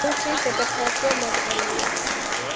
პროვინციის დედაქალაქია მაგდალენა.